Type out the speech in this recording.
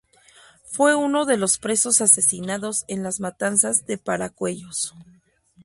Fue uno de los presos asesinados en las matanzas de Paracuellos.